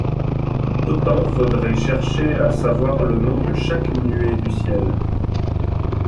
Autant vaudrait chercher à savoir le nom de chaque nuée du ciel.